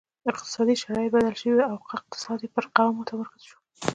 اقتصادي شرایط بدل شوي وو او اقتصاد یې پر قهوه متمرکز شو.